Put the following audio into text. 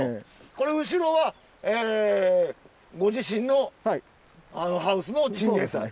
これ後ろはご自身のハウスのチンゲンサイ？